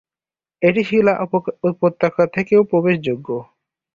এটি শিলা উপত্যকা থেকেও প্রবেশযোগ্য।